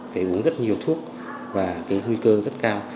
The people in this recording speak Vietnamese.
phải uống rất nhiều thuốc và cái nguy cơ rất cao